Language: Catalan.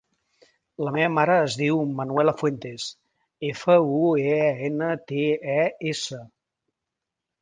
La meva mare es diu Manuela Fuentes: efa, u, e, ena, te, e, essa.